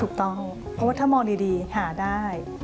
ถูกต้องเพราะว่าถ้ามองดีหาได้